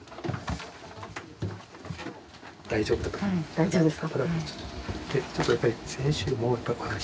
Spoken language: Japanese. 大丈夫ですか。